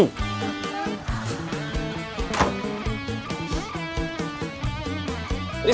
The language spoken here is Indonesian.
itu apa pak